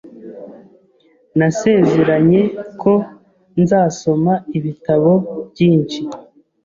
Nasezeranye ko nzasoma ibitabo byinshi .